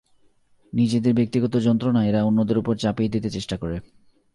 নিজেদের ব্যক্তিগত যন্ত্রণা এরা অন্যদের ওপর চাপিয়ে দিতে চেষ্টা করে।